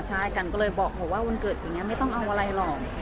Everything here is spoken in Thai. ใช่กันก็เลยบอกเขาว่าวันเกิดอย่างนี้ไม่ต้องเอาอะไรหรอก